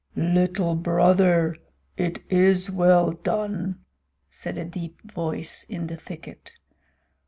"Little Brother, it is well done," said a deep voice in the thicket.